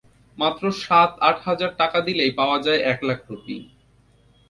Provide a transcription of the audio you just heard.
মাত্র সাত আট হাজার টাকা দিলেই পাওয়া যায় এক লাখ রুপি।